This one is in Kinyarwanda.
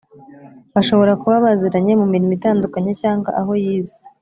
bashobora kuba baziranye mu mirimo itandukanye, cyangwa aho yize